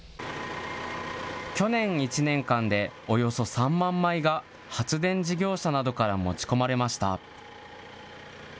去年１年間で、およそ３万枚が発電事業者などから持ち込まれました。